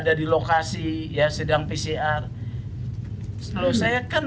bang yang keadilan